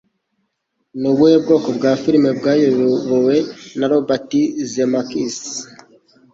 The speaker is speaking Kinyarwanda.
Ni ubuhe bwoko bwa Filime bwayobowe na Robert Zemeckis?